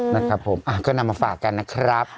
นะครับผมก็นำมาฝากกันนะครับ